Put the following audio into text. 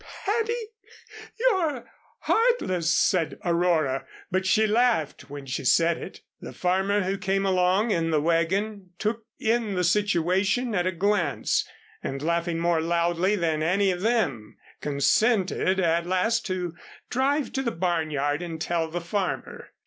"Patty, you're heartless," said Aurora, but she laughed when she said it. The farmer who came along in the wagon took in the situation at a glance and laughing more loudly than any of them, consented at last to drive to the barnyard and tell the farmer.